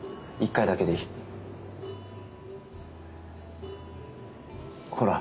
１回だけでいい。